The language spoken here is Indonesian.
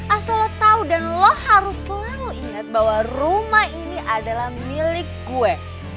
asal tahu dan lo harus selalu ingat bahwa rumah ini adalah milik gue